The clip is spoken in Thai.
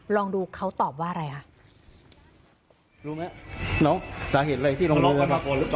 ลองดูเขาตอบว่าอะไรอ่ะรู้ไหมน้องสาเหตุอะไรที่ลงโรงเรียน